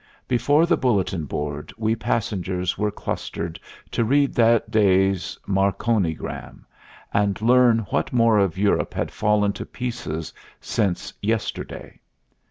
Before the bulletin board we passengers were clustered to read that day's marconigram and learn what more of Europe had fallen to pieces since yesterday.